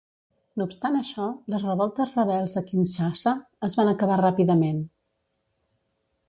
No obstant això, les revoltes rebels a Kinshasa es van acabar ràpidament.